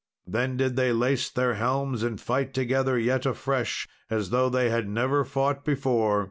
Then did they lace their helms and fight together yet afresh, as though they had never fought before.